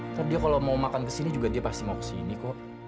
terus dia kalau mau makan kesini juga dia pasti mau kesini kok